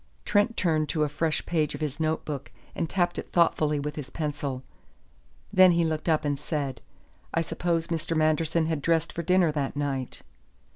Trent turned to a fresh page of his notebook, and tapped it thoughtfully with his pencil. Then he looked up and said: "I suppose Mr. Manderson had dressed for dinner that night."